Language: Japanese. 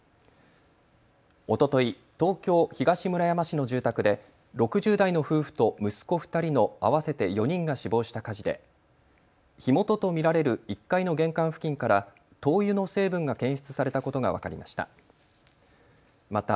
おととい、東京東村山市の住宅で６０代の夫婦と息子２人の合わせて４人が死亡した火事で火元と見られる１階の玄関付近から灯油の成分が検出されたことが分かりました。